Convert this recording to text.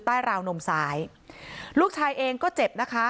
ราวนมซ้ายลูกชายเองก็เจ็บนะคะ